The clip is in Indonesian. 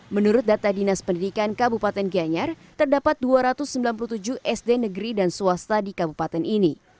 menurut data dinas pendidikan kabupaten gianyar terdapat dua ratus sembilan puluh tujuh sd negeri dan swasta di kabupaten ini